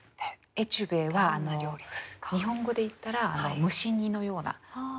エチュベは日本語で言ったら蒸し煮のようなお料理ですね。